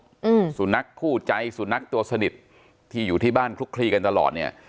อืมสุนัขคู่ใจสุนัขตัวสนิทที่อยู่ที่บ้านคลุกคลีกันตลอดเนี้ย